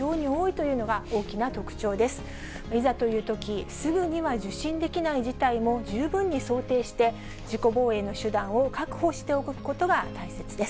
いざというとき、すぐには受診できない事態も十分に想定して、自己防衛の手段を確保しておくことが大切です。